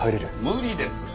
無理です。